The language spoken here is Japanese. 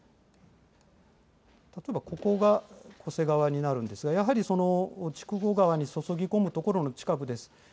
例えばここが巨瀬川になるんですが、やはり筑後川に注ぎ込む所の近くです。